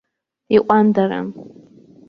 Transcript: Иҟәандаран.